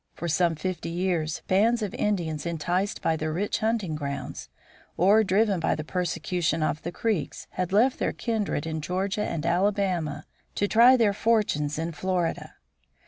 For some fifty years bands of Indians enticed by the rich hunting grounds, or driven by the persecutions of the Creeks, had left their kindred in Georgia and Alabama to try their fortunes in Florida.